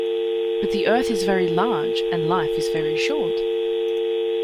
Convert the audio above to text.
But the Earth is very large, and life is very short!